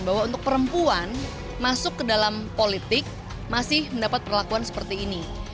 bahwa untuk perempuan masuk ke dalam politik masih mendapat perlakuan seperti ini